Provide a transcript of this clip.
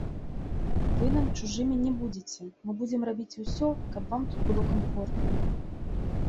Вы нам чужымі не будзеце, мы будзем рабіць усё, каб вам тут было камфортна.